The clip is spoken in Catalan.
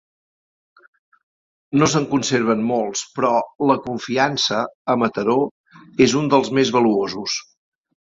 No se'n conserven molts, però La Confiança, a Mataró, és un dels més valuosos.